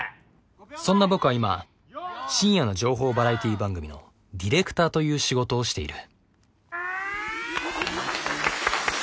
そんな僕は今深夜の情報バラエティー番組のディレクターという仕事をしている。